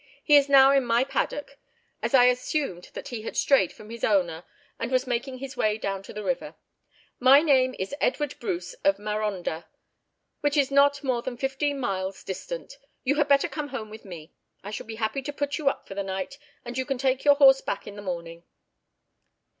He is now in my paddock, as I assumed that he had strayed from his owner, and was making his way down to the river. My name is Edward Bruce of Marondah, which is not more than fifteen miles distant. You had better come home with me; I shall be happy to put you up for the night, and you can take your horse back in the morning."